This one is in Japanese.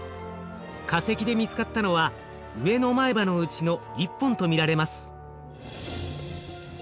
化石で見つかったのは上の前歯のうちの１本と見られます。